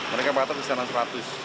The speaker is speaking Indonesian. mereka patok kisaran rp seratus